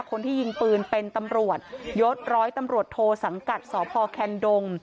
คนที่ยิงปืนเป็นตำรวจยศร้อยตำรวจโทสังกัดสพแคนดง